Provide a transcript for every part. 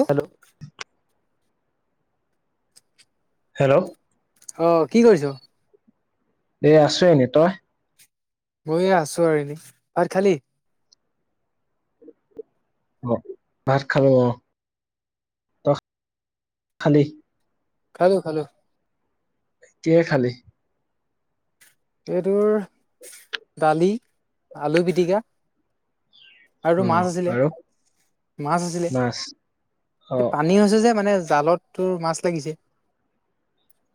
অ hello hello অ' কি কৰিছ? এ আছো এনেই, তই? মইয়ো আছো আৰু এনেই, ভাত খালি? অঁ ভাত খালো, অঁ। খালি। খালো খালো। কিহেৰে খালি? এই তোৰ দালি, আলু পিটিকা। আৰু অ মাছ আছিলে, আৰু মাছ আছিলে। মাছ অ এই পানী হৈছে যে মানে জালত তোৰ মাছ লাগিছে।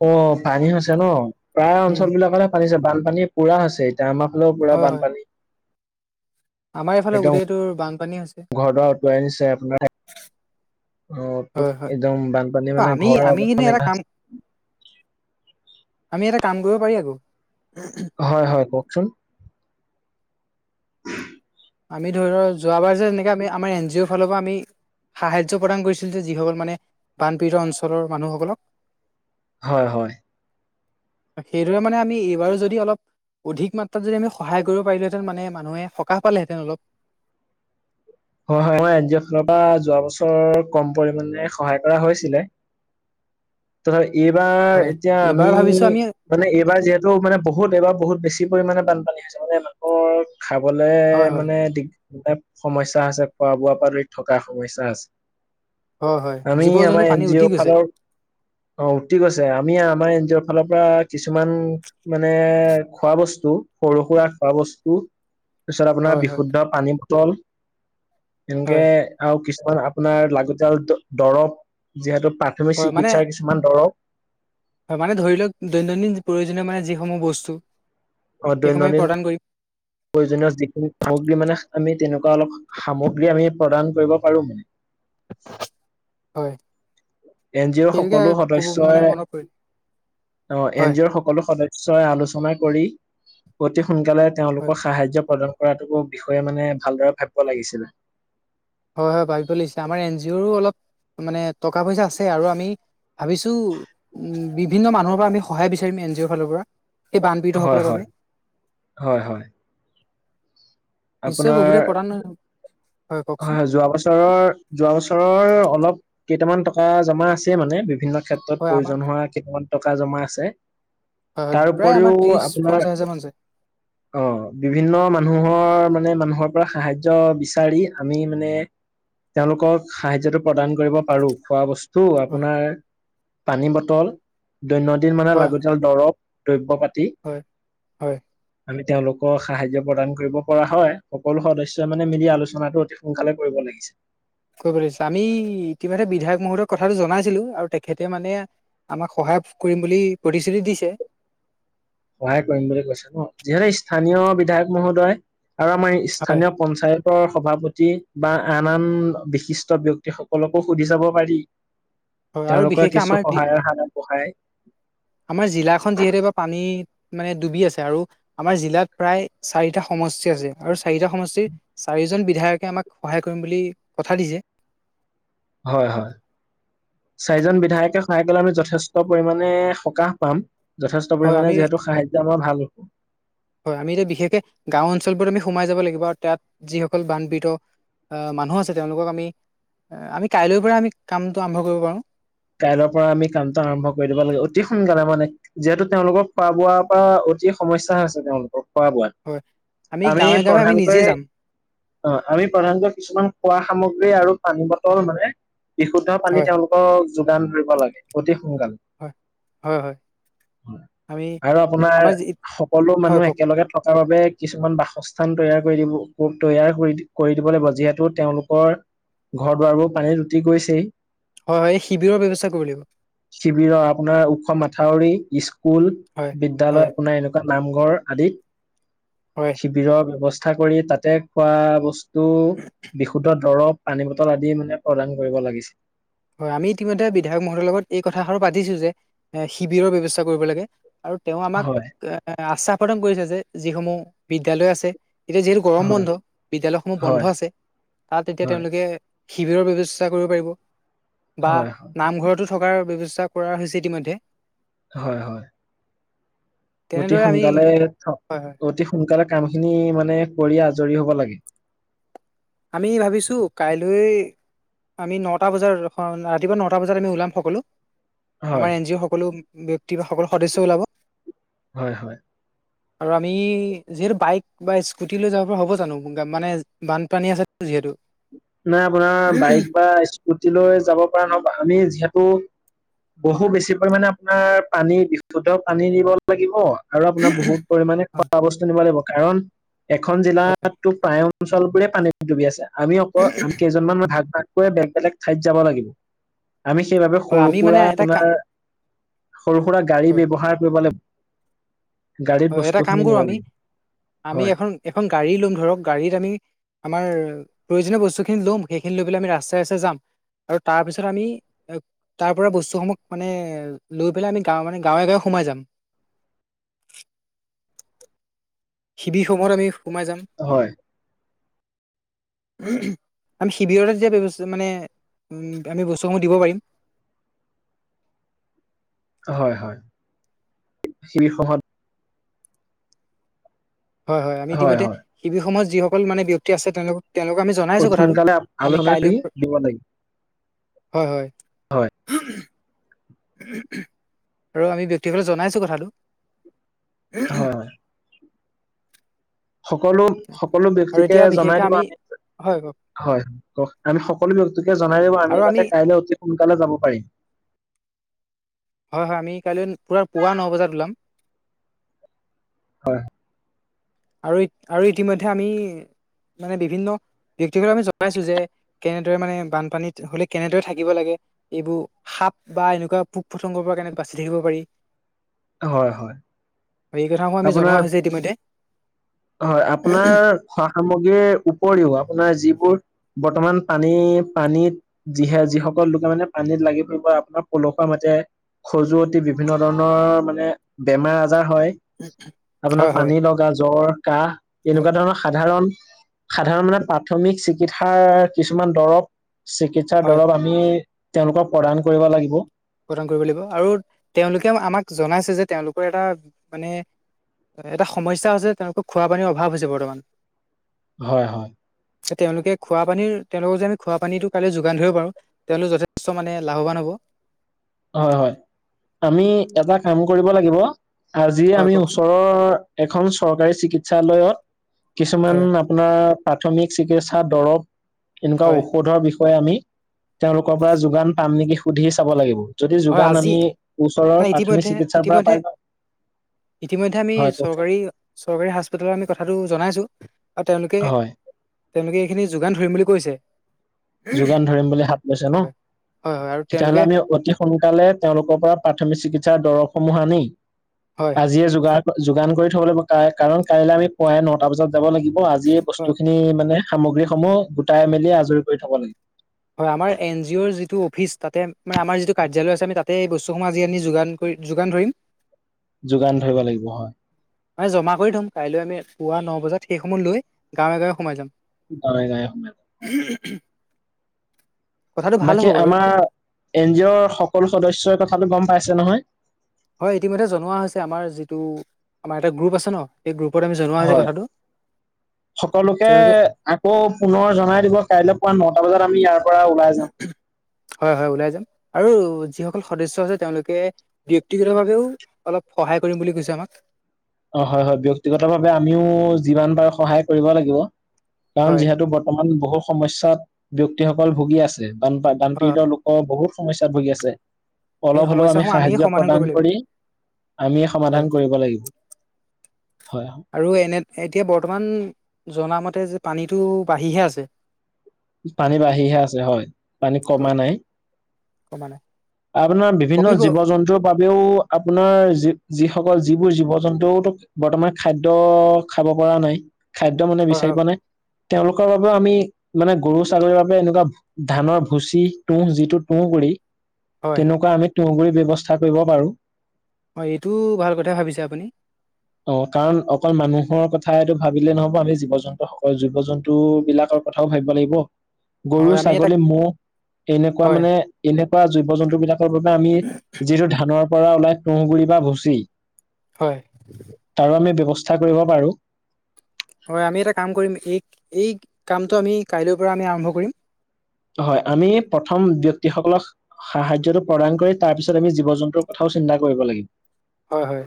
অ' পানী হৈছে ন, প্ৰায় উম অঞ্চল বিলাকতে পানী হৈছে বানপানী পুৰা হৈছে। এতিয়া আমাৰ ফালেও পুৰা হয় হয় বানপানী। আমাৰ এইফালে একদম গোটেই তোৰ বানপানী হৈছে ঘৰ দুৱাৰ উটুৱাই নিছে আপোনাৰ। অঁ' হয় হয় একদম বানপানী অ মানে আমি ঘৰৰ আমি আগত কিন্তু মানে এটা কাম গাচ- আমি এটা কাম কৰিব পাৰি আকৌ। হয় হয়, কওঁকচোন। আমি ধৰি ল যোৱাবাৰ যে এনেকা আমি আমাৰ এন জি অ'ৰ ফালৰ পা আমি- সাহায্য প্ৰদান কৰিছিল যে, যিসকল মানে বানপীড়িত অঞ্চলৰ মানুহসকলক। হয় হয়। সেইদৰে মানে আমি এইবাৰো যদি অলপ- অধিক মাত্ৰাত যদি আমি সহায় কৰিব পাৰিলোহেঁতেন, মানে মানুহে সকাহ পালেহেঁতেন অলপ। হয় হয়, মই এন জি অ' ফাল পা যোৱা বছৰ কম পৰিমানে সহায় কৰা হৈছিলে। তথা এইবাৰ হয় এতিয়া এইবাৰ আমি- ভাবিছো আমি মানে, এইবাৰ যিহেতু মানে বহুত এইবাৰ বহুত বেছি পৰিমানে বানপানী হৈছে হয়নে নহয়? হৰ খাবলে হয় হয় মানে, দিগদাৰ সময়- দা আছে খোৱা বোৱা পা ধৰি থকা সমস্যা আছে। হয় হয় আমি জীৱ জন্তু আমাৰ পানী এন জি উটি অ' গৈছে ফালৰ অ' উটি গৈছে, আমি আমাৰ এন জি অৰ ফালৰ পৰা কিছুমান মানে খোৱা বস্তু সৰু-সুৰা খোৱা বস্তু। তাৰপিছত আপোনাৰ হয় হয় বিশুদ্ধ পানী বটল। এনেকে হয় আৰু কিছুমান আপোনাৰ লাগতিয়াল দ-দৰৱ যিহেতু প্ৰাথমিক হয় মানে চিকিৎসাৰ কিছু কিছুমান দৰব। হয় মানে ধৰি লওক দৈনন্দিন প্ৰয়োজনীয় মানে যিসমূহ বস্তু। অ' সেইসমূহ আমি দৈনন্দিন প্ৰদান কৰিম প্ৰয়োজনীয় যিখিনি সামগ্ৰী মানে আমি তেনেকুৱা অলপ সামগ্ৰী আমি প্ৰদান কৰিব পাৰো। হয়। এন জি অ'ৰ সেইটোকে সকলো ক'ব মানে সদস্যই মনত পৰিল অ এন হয় জি অ'ৰ সকলো সদ স্যই আলোচনা কৰি অতি সোনকালে হয় তেওঁলোকক সাহায্য প্ৰদান কৰাটোকো বিষয়ে মানে ভালদৰে ভাবিব লাগিছিলে। হয় হয় ভাবিব লাগিছিলে। আমাৰ এন জি অ'ৰো অলপ মানে টকা পইচা আছে। আৰু আমি ভাবিছো উম বিভিন্ন মানুহৰ পৰা আমি সহায় বিচাৰিম এন জি অ'ৰ ফালৰ পৰা। এই বানপীড়িত হয় সকলৰ হয় বাবে। হয় হয়। নিশ্চয় আপোনাৰ বহুতে প্ৰদান হয় যোৱা বছৰৰ যোৱা বছৰৰ অলপ কেইটামান টকা জমা আছে মানে। বিভিন্ন ক্ষেত্ৰত হয় আমাৰ প্ৰয়োজন হোৱা কেইটামান টকা জমা আছে। হয় হয় তাৰ প্ৰায় আমাৰ উপৰিও ত্ৰিশ আপোনাৰ পঞ্চাশ হাজাৰ মান যায় অ' বিভিন্ন মানুহৰ মানে মানুহৰ পৰা সাহাৰ্য্য বিচাৰি আমি মানে তেওঁলোকৰ সাহায্যটো প্ৰদান কৰিব পাৰো, খোৱা বস স্তু হয় আপোনাৰ পানী বটল দৈনন্দিন মানে হয় হয় লাগতিয়াল। দৰৱ, দ্ৰব্য পাতি। হয় হয়। আমি তেওঁলোকক সাহায্য প্ৰদান কৰিব। কৰা হয়, সকলো সদস্যই মানে মিলি আলোচনাটো অতি সোনকালে কৰিব লাগিছে। [unintelligible] আমি ইতিমধ্যে বিধায়ক মহোদয়ক কথাটো জনাইছিলো, আৰু তেখেতে মানে আমাক সহায় কৰিম বুলি প্ৰতিশ্ৰুতি দিছে। সহায় কৰিম বুলি কৈছে ন, যিহেতু স্থানীয় বিধায়ক মহোদয় আৰু আমাৰ হয় স্থানীয় পঞ্চায়তৰ সভাপতি বা আন আন বিশিষ্ট ব্যক্তি সকলকো সুধি চাব পাৰি। [inaudible] তেওঁলোকৰ বিশেষকে আমাৰ কিছু সহায়ৰ হাত আগবঢ়ায়। আমাৰ জিলাখন যিহেতু বা পানীত মানে ডুবি আছে। আৰু আমাৰ জিলাত প্ৰায় চাৰিটা। সমষ্টি আছে আৰু চাৰিটা সমষ্টিৰ চাৰিজন বিধায়কে আমাক সহায় কৰিম বুলি কথা দিছে। হয় হয়। চাৰিজন বিধায়কে সহায় কৰিলে আমি যথেষ্ট পৰিমানে সকাহ পাম। যথেষ্ট হয় আমি পৰিমাণে যিহেতু সাহায্য আমাৰ ভাল হব। হয়, আমি এতিয়া বিশেষকে গাঁও অঞ্চলবোৰত আমি সোমাই যাব লাগিব আৰু তাত যিসকল বানপিঢ়িত আহ, মানুহ আছে তেওঁলোকক আমি আমি কাইলৈৰ পৰা আমি কামটো আৰম্ভ কৰিব পাৰো। কাইলৈৰ পৰা আমি কামটো আৰম্ভ কৰি দিব লাগিব, অতি সোনকালে মানে যিহেতু, তেওঁলোকৰ খোৱা-বোৱাৰ পৰা অতি সমস্যা আছে তেওঁলোকৰ খোৱা-বোৱা। হয় আমি গাঁৱে গাঁৱে নিজে প্ৰধানকৈ যাম অ, আমি প্ৰধানকৈ কিছুমান খোৱা সামগ্ৰী আৰু পানী বটল মানে। বিশুদ্ধ পানী হয় তেওঁলোকক যোগান ধৰিব লাগে। অতি সোনকাল। হয়- হয়- হয়। আমি আৰু আপোনাৰ আমাৰ যি- সকলো হয় মানুহ কওক একেলগে থকাৰ বাবে কিছুমান বাসস্থান তৈয়াৰ কৰি দিব, তৈয়াৰ কৰি- কৰি দিব লাগিব। যিহেতু তেওঁলোকৰ ঘৰ দুৱাৰবোৰ পানীত উটি গৈছেই। হয়- হয় এই শিবিৰৰ ব্যৱস্থা কৰিব লাগিব। শিবিৰৰ আপোনাৰ ওখ মাথাউৰি, স্কুল, হয় হয় বিদ্যালয় আপোনাৰ এনেকুৱা নামঘৰ আদিত, হয়। শিবিৰৰ ব্যৱস্থা কৰি তাতে খোৱা বস্তু, বিশুদ্ধ দৰৱ, পানী বটল, আদিয়েই মানে প্ৰদান কৰিব লাগিছিল। হয়, আমি ইতিমধ্যে বিধায়ক মহোদয়ৰ লগত এই কথা আৰু পাতিছো যে এ শিবিৰৰ ব্যৱস্থা কৰিব লাগে। আৰু তেওঁ আমাক হয়, এ আশ্বাস প্ৰদান কৰিছে। যে যিসমূহ বিদ্যালয় আছে এতিয়া যিহেতু গৰম হয়, বন্ধ বিদ্যালয়সমূহ বন্ধ হয়, আছে। তাত এতিয়া হয়, তেওঁলোকে শিবিৰৰ ব্যৱস্থা কৰিব পাৰিব। বা হয়, নামঘৰতো থকাৰ ব্যৱস্থা কৰা হৈছে, ইতিমধ্যে। হয়- হয়। অতি তেনেদৰে আমি সোনকালে, হয় হয় অতি সোনকালে কাম খিনি মানে কৰি আজৰি হব লাগে। আমি ভাবিছো কাইলৈ আমি নটা বজাত, ৰাতিপুৱা নটা বজাত আমি ওলাম সকলো। হয়, আমাৰ এন জি অ' সকলো ব্যক্তি বা সকলো সদস্য ওলাব। হয়- হয়। আৰু আমি যিহেতু বাইক বা স্কুটি লৈ যাব পৰা হ'ব। জানো মানে বান পানী আছে যিহেতু। নাই আপোনাৰ বাইক বা স্কুটি লৈ যাব পৰা নহব। আমি যিহেতু বহু বেছি পৰিমানে আপোনাৰ পানী, বিশুদ্ধ পানী নিব লাগিব। আৰু আপোনাৰ বহুত পৰিমানে হয় খোৱা বস্তু নিব লাগিব। কাৰণ এখন হয় জিলাতো প্ৰায় অঞ্চলবোৰে পানীত ডুবি আছে। আমি আকৌ আমি কেইজন মান ভাগ-ভাগ সকলোৱে বেলেগ বেলেগ ঠাইত যাব লাগিব। আমি সেইবাবে হয়, সৰু আমি মানে সুৰা এটা কা আপোনাৰ সৰু সুৰা গাড়ী হয় ব্যৱহাৰ কৰিব লাগিব। গাড়ীত হয়, এটা বস্তু কাম খিনি কৰো নিব আমি, লাগিব আমি হয় এখন এখন গাড়ী লম ধৰক গাড়ীত আমি আমাৰ প্ৰয়োজনীয় বস্তুখিনি লম। সেইখিনি লৈ পেলাই আমি ৰাস্তাই- ৰাস্তাই যাম। আৰু তাৰ পিছত আমি এ, তাৰ পৰা বস্তুসমূহ মানে লৈ পেলাই, আমি গাঁৱ মানে গাঁৱে, গাঁৱে সোমাই যাম। শিবিৰ সমূহত, আমি সোমাই যাম। হয়। [inaudible] আমি শিবিৰতে দিয়া ব্যৱস্থা, মানে আমি বস্তুসমূহ দিব পাৰিম। হয়- হয়। শীৰ্ষহত হয়, হয়। আমি ইতিমধ্যে শিবিৰ সময়ত যিসকল মানে ব্যক্তি আছে তেওঁলোকক তেওঁলোকক আমি জনাইছো অতি কথাটো। সোনকালে আমি আলোচনা কাইলৈ কৰি দিব লাগিব হয়- হয় হয়। আৰু আমি ব্যক্তিসকলে জনাইছো কথাটো। হয়। সকলো সকলো আৰু ব্যক্তিকে এতিয়া জনাই বিশেষকে দিবা। আমি হয় কওক হয়, কওঁক আমি সকলো ব্যক্তিকে জনাই দিবা আমি যাতে কাইলে অতি সোনকালে যাব পাৰিম। হয়, হয়, আমি কাইলৈ পূৰা পুৱা ন বজাত ওলাম। হয়। আৰু আৰু ইতিমধ্যে আমি মানে বিভিন্ন ব্যক্তিকে আমি জনাইছো যে কেনেদৰে মানে বানপানীত হ'লে কেনেদৰে থাকিব লাগে। এইবোৰ সাপ বা এনেকুৱা পোক পতংগৰ পৰা কেনেকৈ বাচি থাকিব পাৰি। হয়, হয়। এই কথাসমূহ আমি আপোনাৰ জনোৱা হৈছে ইতিমধ্যে। হয়, আপোনাৰ খোৱা সামগ্ৰীৰ উপৰিও, আপোনাৰ যিবোৰ বৰ্তমান পানী পানীত যিহে যিসকল লোকে মানে পানীত লাগিব বা আপোনাৰ পলসুৱা মাটি খজুৱতি বিভিন্ন ধৰণৰ মানে বেমাৰ আজাৰ হয়। আপোনাৰ হয় হয় পানী লগা জ্বৰ কাহ হয় এনেকুৱা ধৰণৰ সাধাৰণ সাধাৰণ মানে প্ৰাথমিক চিকিৎসাৰ কিছুমান দ্ৰৱ চিকিৎসাৰ হয় দ্ৰৱ আমি আমি তেওঁলোকক প্ৰদান কৰিব লাগিব। প্ৰদান কৰিব লাগিব আৰু তেওঁলোকে আমাক জনাইছে যে তেওঁলোকৰ এটা মানে এটা সমস্যা হৈছে তেওঁলোকৰ খোৱা পানীৰ অভাৱ হৈছে বৰ্তমান। হয়, হয়। তেওঁলোকে খোৱা পানীৰ তেওঁলোকৰ যে আমি খোৱা পানীতো কাইলৈ যোগান ধৰিব পাৰো। তেওঁলোক যথেষ্ট মানে লাভৱান হ'ব। হয়, হয়, আমি এটা কাম কৰিব লাগিব। আজি হয় আমি কওকচোন ওচৰৰ এখন চৰকাৰী চিকিৎসালয়ত কিছুমান হয় আপ আপোনাৰ প্ৰাথমিক চিকিৎসা দ্ৰৱ এনেকুৱা হয় ঔষধৰ বিষয়ে আমি তেওঁলোকৰ পৰা যোগান পাম নেকি সুধি চাব লাগিব। যদি হয় যোগান আজি আমি ওচৰৰ নাই প্ৰাথমিক ইতিমধ্যে চিকিৎসাৰ পৰা ইতিমধ্যে পাই যাওঁ। ইতিমধ্যে আমি হয় কওকচোন চৰকাৰী চৰকাৰী হস্পিতালত আমি কথাটো জনাইছো আৰু তেওঁলোকে হয় তেওঁলোকে এইখিনি যোগান ধৰিম বুলি কৈছে। যোগান ধৰিম বুলি হাত লৈছে ন, হয় হয় হয় আৰু তেতিয়াহ'লে তেওঁলোকে আমি অতি সোনকালে তেওঁলোকৰ পৰা প্ৰাথমিক চিকিৎসাৰ দ্ৰৱসমূহ আনি হয়। আজিয়ে যোগাৰ যোগান কৰি থ'ব লাগিব কাৰণ কাইলৈ আমি পুৱাই নটা বজাত যাব লাগিব। অ', আজি এই হয় বস্তুখিনি মানে সামগ্ৰীসমূহ গোটাই মেলি আজৰি কৰি থ'ব লাগিব। হয়, আমাৰ এন জি অ'ৰ যিটো অফিচ তাতে আমাৰ যিটো কাৰ্যালয় আছে আমি তাতে বস্তুসমূহ আজি আনি যোগান কৰি যোগান ধৰিম। যোগান ধৰিব লাগিব হয়। মানে জমা কৰি থম কাইলৈ আমি পুৱা ন বজাত সেইসমূহ লৈ গাওঁয়ে গাওঁয়ে সোমাই যাম। গাওঁয়ে গাওঁয়ে সোমাম। [inaudible] কথাটো ভাল হ'ব বাকী বাৰু আমাৰ এন জি অ'ৰ সকলো সদস্যই কথাটো গম পাইছে নহয়। হয়, ইতিমধ্যে জনোৱা হৈছে আমাৰ যিটো আমাৰ এটা গ্ৰুপ আছে ন। এই গ্ৰুপত আমি জনোৱা হৈছে হয় কথাটো। সকলোকে তেওঁলোকে আকৌ পুনৰ জনাই দিব কাইলৈ পুৱা নটা বজাত আমি ই হয়, হয়, ওলাই যাম আৰু যিসকল সদস্য আছে তেওঁলোকে ব্যয়ক্তিগত ভাৱেও অলপ সহায় কৰিম বুলি কৈছে আমাক। অ হয় হয় ব্যক্তিগতভাৱে আমিও যিমান পাৰো সহায় কৰিব লাগিব কাৰণ হয় যিহেতু বৰ্তমান বহু সমস্যাত ব্যক্তিসকল ভুগি আছে বান হয় বানপীড়িত লোক অ বহুত সমস্যাত ভুগি আছে এই অলপ হ'লেও আমি সমস্যাসমূহ আমিয়ে সাহায্য সমাধান কৰিব প্ৰদান লাগিব কৰি আমি হয় সমাধান কৰিব লাগিব হয় আৰু এনে এতিয়া বৰ্তমান জনামতে যে পানীটো বাঢ়িহে আছে। পানী বাঢ়িহে আছে হয় পানী হয় কমা নাই। কমা নাই আপোনাৰ বিভিন্ন কমিব জীৱ জন্তুৰ বাবেও আপোনাৰ যি যিসকল যিবোৰ জীৱ জন্তুও বৰ্তমান খাদ্য খাব পৰা নাই খাদ্য মানে হয় হয় বিচাৰি পোৱা নাই তেওঁলোকৰ বাবেও আমি মানে গৰু ছাগলীৰ বাবে এনেকুৱা ধানৰ ভুচি তুঁহ যিটো তুঁহ গুৰি হয় তেনেকুৱা আমি তুহগুৰি ব্যৱস্থা কৰিব পাৰো। হয় এইটোও ভাল কথাই ভাবিছে আপুনি অ কাৰণ অকল মানুহৰ কথাটো ভাবিলে নহব আমি জীৱ জন্তু সকল জীৱ জন্তু বিলাকৰ কথাও ভাবিব লাগিব হয় গৰু আমি এটা ছাগলী ম'হ এনেকুৱা হয় মানে এনেকুৱা জীৱ জন্তু বিলাক কৰ বাবে আমি যিটো ধানৰ পৰা ওলাই তুহগুৰি বা ভুচি হয় তাৰো আমি ব্যৱস্থা কৰিব পাৰো হয় আমি এটা কাম কৰিম এই এই কামটো আমি কাইলৈৰ পৰা আমি আৰম্ভ কৰিম হয় আমি প্ৰথম ব্যক্তিসকলক সাহায্য টো প্ৰদান কৰি তাৰ পিছত আমি জীৱ জন্তুৰ কথাও চিন্তা কৰিব লাগিম হয় হয়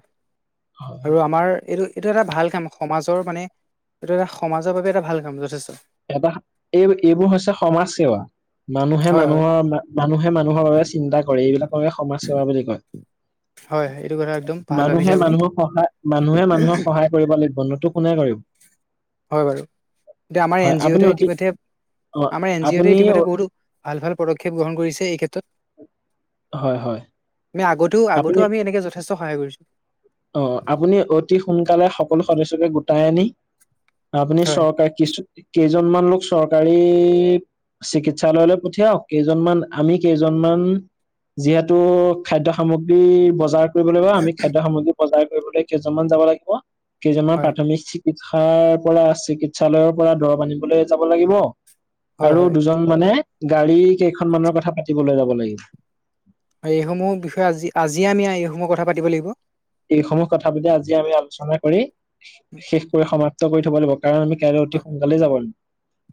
আৰু আমাৰ এইটো এইটো এটা ভাল কাম সমাজৰ মানে এইটো এটা সমাজৰ বাবে এটা ভাল কাম যথেষ্ট এটা এই এইবোৰ হৈছে সমাজ সেৱা মানুহে হয় হয় মানুহৰ মানুহে মানুহৰ বাবে চিন্তা কৰে এইবিলাককে সমাজ সেৱা বুলি কয় হয় এইটো কথা একদম ভাল ভাবিছে মানুহে আপুনি মানুহৰ সহায় মানুহে মানুহৰ সহায় কৰিব লাগিব নতো কোনে কৰিব হয় বাৰু এতিয়া আমাৰ হয় এন জি অ' আপুনি টে অতি ইতিমধ্যে অ আমাৰ এন জি অ' টোৱে আপুনি ইতিমধ্যে বহুতো ভাল ভাল পদক্ষেপ গ্ৰহণ কৰিছে এই ক্ষেত্ৰত হয় হয় আমি আগতেও আগতো আপুনি আমি এনেকে যথেষ্ট সহায় কৰিছো অ আপুনি অতি সোনকালে সকলো সদস্যকে গোটাই আনি আপুনি হয় চৰকাৰ কিছু কেইজনমান লোক চৰকাৰী চিকিৎসালয়লৈ পঠিয়াওক কেইজনমান আমি কেইজনমান যিহেতু খাদ্য সামগ্ৰী বজাৰ কৰিব লাগিব আমি খাদ্য সামগ্ৰী বজাৰ কৰিবলৈ কেইজনমান যাব লাগিব কেইজনৰ হয় প্ৰাথমিক চিকিৎসাৰ পৰা চিকিৎসালয়ৰ পৰা দৰৱ আনিবলৈ যাব লাগিব হয় আৰু হয় দুজন মানে গাড়ী কেইখনমানৰ কথা পাতিবলৈ যাব লাগিব আৰু এইসমূহৰ বিষয়ে আজি আজিয়ে আমি এইসমূহ কথা পাতিব লাগিব এইসমূহ কথা পাতি আজিযে আমি আলোচনা কৰি, শেষ কৰি সমাপ্ত কৰি থব লাগিব। কাৰণ আমি কাইলৈ অতি সোনকালে যাবন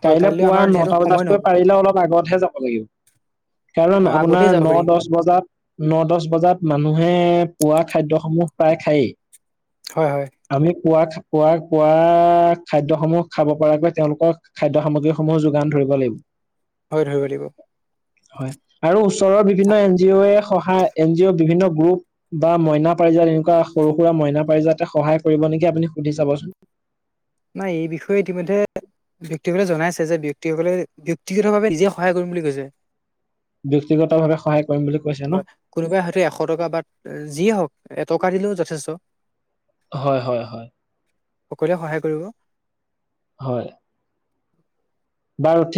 হয় কাইলে কাইলৈ পুৱা আমাৰ যিহেতু নটা সময় নহ'ব বজাতকৈ পাৰিলে অলপ আগতহে যাব লাগিব। কাইলে অ আগতেই আপোনাৰ যাব ন, পাৰি দছ বজাত ন, দহ বজাত মানুহে পোৱা খাদ্যসমূহ পাই হয় হয় খায়ে। আমি পুৱ-পুৱ পোৱা, খাদ্য সমূহ খাব পৰাকৈ তেওঁলোকক খাদ্য সামগ্ৰীসমূহো যোগান ধৰিব লাগিব। হয়, ধৰিব লাগিব। হয়, আৰু ওচৰৰ বিভিন্ন এন জি অ' এ সহায়, এন জি অ' বিভিন্ন গ্ৰুপ বা মইনা পাৰিজাত এনেকুৱা সৰু, সুৰা মইনা পাৰিজাতে সহায় কৰিব নেকি আপুনি সুধি চাবচোন। নাই, এই বিষয়ে ইতিমধ্যে ব্যক্তিসকলে জনাইছে যে ব্যক্তিসকলে ব্যক্তিগতভাৱে নিজে সহায় কৰিম বুলি কৈছে। ব্যক্তিগত ভাৱে সহায় কৰিম বুলি কৈছে ন? কোনোবাই হয়তো এশ টকা বা যিয়ে হওক এটকা দিলেও যথেষ্ট। হয়, হয়, হয়। সকলোৱে সহায় কৰিব। হয়। বাৰু ঠিক